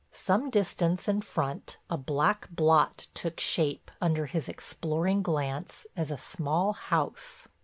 Some distance in front a black blot took shape under his exploring glance as a small house.